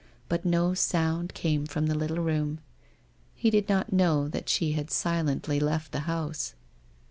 .. But no sound came from the little room. He did not know that she had silently left the house.